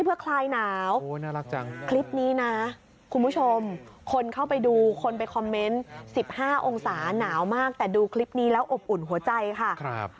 อุณหภูมิสิบห้าองศาหนาวมากแต่ดูคลิปนี้แล้วอบอุ่นหัวใจค่ะครับ